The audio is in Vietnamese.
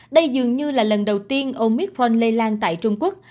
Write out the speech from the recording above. đây dường như là lần đầu tiên omicron lây lan tại trung quốc